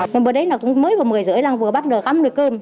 mừng bữa đấy là cũng mới vào một mươi giờ rưỡi là vừa bắt đầu ăn được cơm